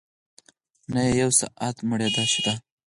نه يې يو ساعت مړېدۀ شته